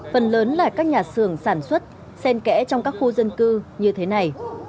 phần lớn là các nhà xưởng sản xuất sen kẽ trong các khu dân cư như thế này